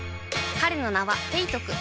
彼の名はペイトク